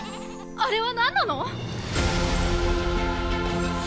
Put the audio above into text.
あれはなんなの？